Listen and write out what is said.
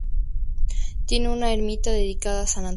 Tiene una ermita dedicada a San Antonio.